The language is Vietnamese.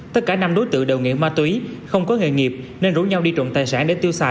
tất cả năm đối tượng đều nghỉ ma túy không có nghề nghiệp nên rủ nhau đi trộm tài sản